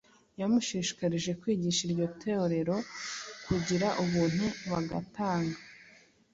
yamushishikarije kwigisha iryo Torero kugira ubuntu bagatanga,